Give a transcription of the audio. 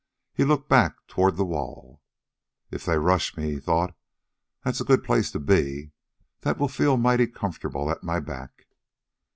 He looked back toward the wall. "If they rush me," he thought, "there's a good place to be. That will feel mighty comfortable at my back."